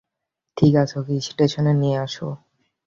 ঠিক আছে, ওকে স্টেশনে নিয়ে আসো।